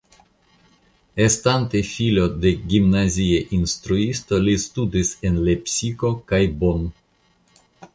Estante filo de gimnazia instruisto li studis en Lepsiko kaj Bonn.